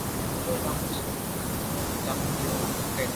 Nkô nyam bo làn ke ntshùa bwe ntsho ndà njon ngokèt.